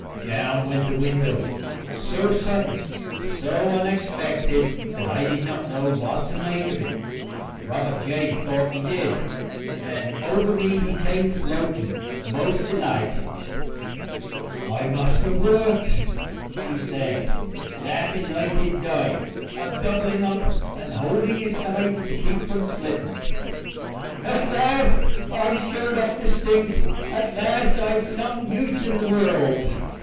Down went the window so sudden, so unexpected that I did not know what to make of it. Robert J. thought he did, and over me he came floating, most delighted. "I must have worked," he said, laughing like he'd die, a doubling up and holding his sides to keep from splitting. "At last I have showed up distinct; at last I am of some use in the world.